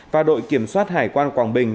và đội kiểm soát hải quan quảng bình